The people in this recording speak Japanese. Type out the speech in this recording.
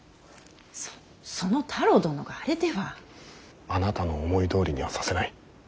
そその太郎殿があれでは。あなたの思いどおりにはさせない。